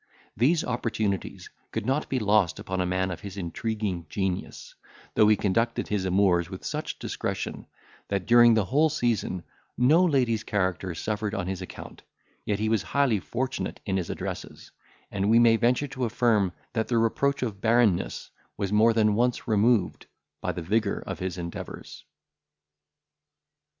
These opportunities could not be lost upon a man of his intriguing genius; though he conducted his amours with such discretion, that, during the whole season, no lady's character suffered on his account, yet he was highly fortunate in his addresses, and we may venture to affirm, that the reproach of barrenness was more than once removed by the vigour of his endeavours.